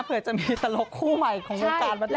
เผื่อจะมีตลกคู่ใหม่ของรุงการมาเลิกกันได้